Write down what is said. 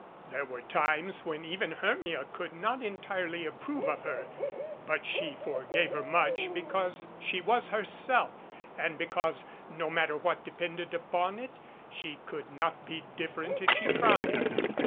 There were times when even Hermia could not entirely approve of her, but she forgave her much because she was herself and because, no matter what de pended upon it, she could not be different if she tried.